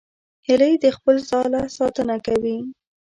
هیلۍ د خپل ځاله ساتنه کوي